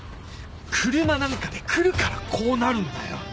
車なんかで来るからこうなるんだよ！